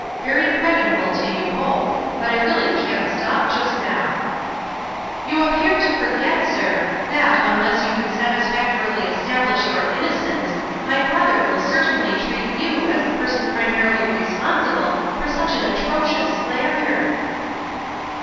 Yery creditable to you both but I really can't stop just now !"" You appear to forget, sir, that, unless you can satisfactorily establish your innocence, my brother will certainly treat you as the person primarily responsible for an atrocious slan der!"